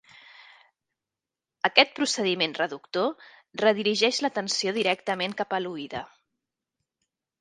Aquest procediment reductor redirigeix l'atenció directament cap a l'oïda.